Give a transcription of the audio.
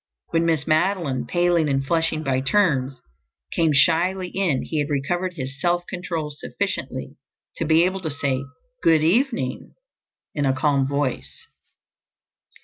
When Miss Madeline, paling and flushing by turns, came shyly in he had recovered his self control sufficiently to be able to say "good evening" in a calm voice.